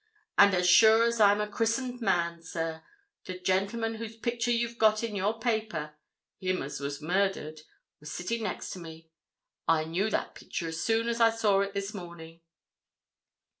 And as sure as I'm a christened man, sir, the gentleman whose picture you've got in your paper—him as was murdered—was sitting next to me! I knew that picture as soon as I saw it this morning."